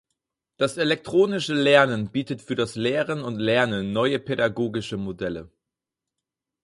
Das elektronische Lernen bietet für das Lehren und Lernen neue pädagogische Modelle.